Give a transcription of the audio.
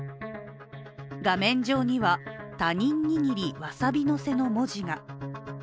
画面上には、「他人握りわさび乗せ」の文字が。